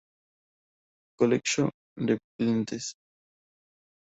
Collection de plantes.